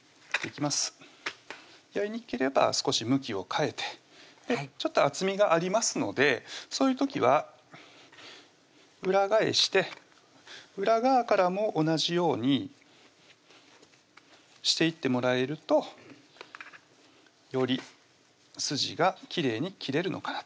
やりにくければ少し向きを変えてちょっと厚みがありますのでそういう時は裏返して裏側からも同じようにしていってもらえるとより筋がきれいに切れるのかなという感じですね